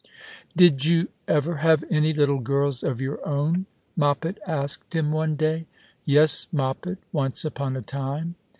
" Did you ever have any little girls of your own ?" Moppet asked him one day. " Yes, Moppet, once upon a time."